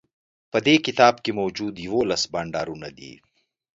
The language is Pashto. په دې کتاب کی موجود یوولس بانډارونه دي